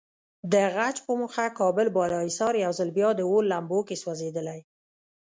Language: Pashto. د غچ په موخه کابل بالاحصار یو ځل بیا د اور لمبو کې سوځېدلی.